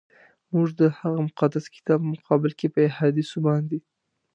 موږ د هغه مقدس کتاب په مقابل کي په احادیثو باندي.